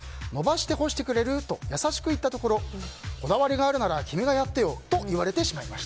洗濯物を裾が丸まったまま干していたので伸ばして干してくれる？と優しく言ったところこだわりがあるなら君がやってよと言われてしまいました。